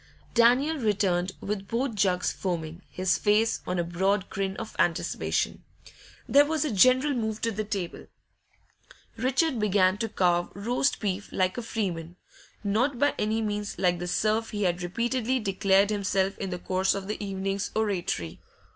Daniel returned with both jugs foaming, his face on a broad grin of anticipation. There was a general move to the table. Richard began to carve roast beef like a freeman, not by any means like the serf he had repeatedly declared himself in the course of the evening's oratory.